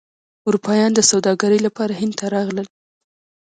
اروپایان د سوداګرۍ لپاره هند ته راغلل.